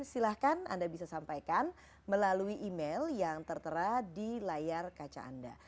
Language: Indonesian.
silahkan anda bisa sampaikan melalui email yang tertera di layar kaca anda